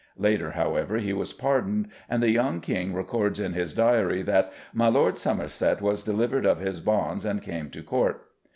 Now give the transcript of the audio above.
Later, however, he was pardoned, and the young King records in his diary that "My Lorde Somerset was delivered of his bondes and came to Court."